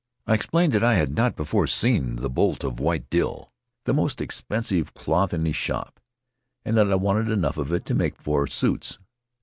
I explained that I had not before seen the bolt of white drill — the most expensive cloth in his shop — and that I wanted enough of it to make four suits.